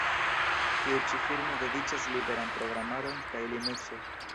Tiu ĉi firmo dediĉas liberan programaron kaj Linukso.